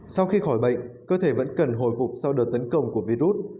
sau khi khỏi bệnh cơ thể vẫn cần hồi phục sau đợt tấn công của virus